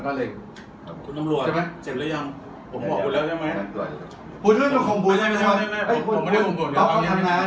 พี่ทีทีพี่น้องคนนี้ใช่ไหมเอาไว้ให้จ่ายน้อยเนี่ย